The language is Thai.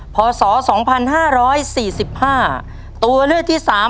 พศสองพันห้าร้อยสี่สิบห้าตัวเลือกที่สาม